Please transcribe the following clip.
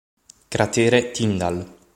Cratere Tyndall